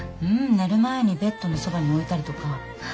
寝る前にベッドのそばに置いたりとか。